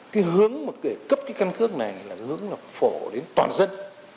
cái hướng mà kể cấp cái căn cước này là hướng phổ đến toàn dân